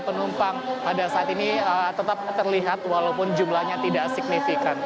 penumpang pada saat ini tetap terlihat walaupun jumlahnya tidak signifikan